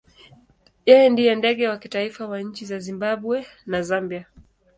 Yeye ndiye ndege wa kitaifa wa nchi za Zimbabwe na Zambia.